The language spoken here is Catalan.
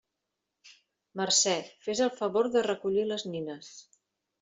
Mercè, fes el favor de recollir les nines!